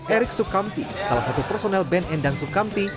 erik sukamti salah satu personel band endang sukamti